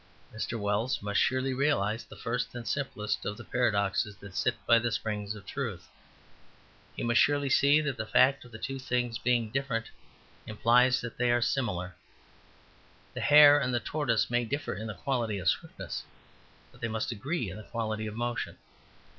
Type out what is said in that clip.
Mr. Wells must surely realize the first and simplest of the paradoxes that sit by the springs of truth. He must surely see that the fact of two things being different implies that they are similar. The hare and the tortoise may differ in the quality of swiftness, but they must agree in the quality of motion.